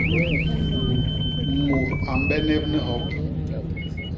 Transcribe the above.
Mut a mbenep ni hop.